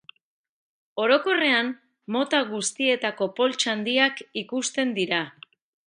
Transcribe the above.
Orokorrean, mota guztietako poltsa handiak ikusten dira.